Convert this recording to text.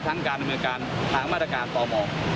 ทั้งการนำเนื้อการเอามาตรการต่อมอง